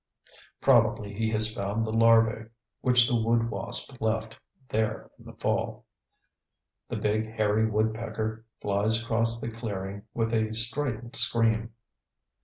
Probably he has found the larvæ which the wood wasp left there in the fall. The big hairy woodpecker flies across the clearing with a strident scream.